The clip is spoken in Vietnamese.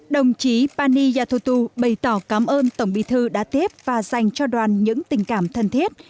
đồng chí pani yathutu bày tỏ cảm ơn tổng bí thư đã tiếp và dành cho đoàn những tình cảm thân thiết